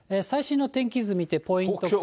最新の天気図見て、ポイント。